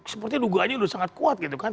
seperti dugaannya sudah sangat kuat gitu kan